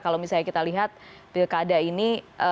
kalau misalnya kita lihat di keadaan ini